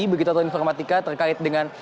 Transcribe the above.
begitu informatika terkait dengan